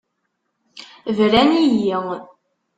Bran-iyi.